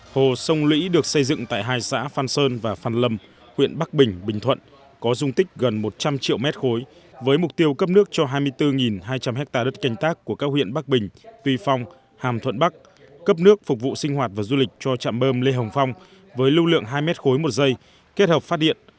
hồ sông lũy được xây dựng tại hai xã phan sơn và phan lâm huyện bắc bình bình thuận có dung tích gần một trăm linh triệu mét khối với mục tiêu cấp nước cho hai mươi bốn hai trăm linh ha đất canh tác của các huyện bắc bình tuy phong hàm thuận bắc cấp nước phục vụ sinh hoạt và du lịch cho trạm bơm lê hồng phong với lưu lượng hai mét khối một giây kết hợp phát điện